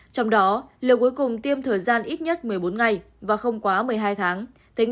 trong đó liều cuối cùng tiêm thời gian ít nhất một mươi bốn ngày và không quá một mươi hai tháng